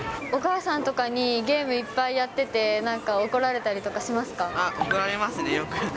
お母さんとかにゲームいっぱいやってて、なんか怒られたりとかし怒られますね、よく。